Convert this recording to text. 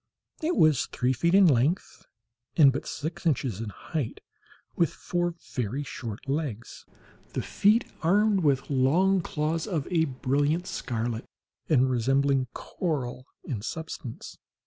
It was three feet in length, and but six inches in height, with four very short legs, the feet armed with long claws of a brilliant scarlet, and resembling coral in substance.